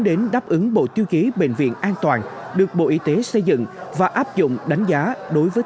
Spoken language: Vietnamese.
đến đáp ứng bộ tiêu chí bệnh viện an toàn được bộ y tế xây dựng và áp dụng đánh giá đối với